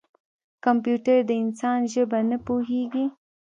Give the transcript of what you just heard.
کمپیوټر د انسان ژبه نه پوهېږي.